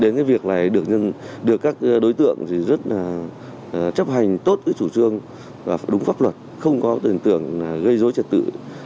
đến cái việc này được các đối tượng thì rất là chấp hành tốt cái chủ trương và đúng pháp luật không có tình tưởng gây dối trật tự